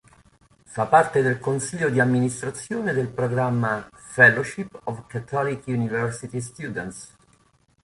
Fa parte del consiglio di amministrazione del programma Fellowship of Catholic University Students.